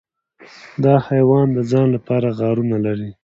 دا حیوان د ځان لپاره غارونه لري.